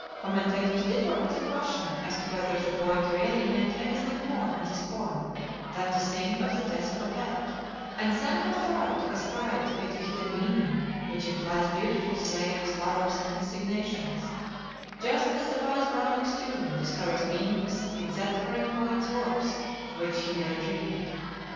Commentators differ on the question as to whether the poet really meant anything more in this poem than to sing of the death of a pet, and some have tried to ascribe to it a hidden meaning which implies beautiful slaves, lovers, and assignations; just as the wise Browning student discovers meanings in that great poet's works of which he never dreamed.